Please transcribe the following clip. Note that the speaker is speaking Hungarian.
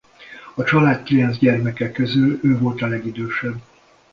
A család kilenc gyermeke közül ő volt a legidősebb.